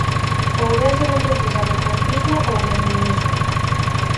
Ourense non precisa do trumpismo ou leninismo.